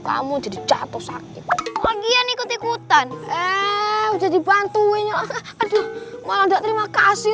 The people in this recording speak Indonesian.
kamu jadi jatuh sakit lagi yang ikut ikutan eh jadi bantuin ya aduh malah enggak terima kasih